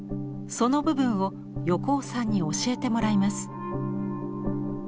その部分を横尾さんに教えてもらいます。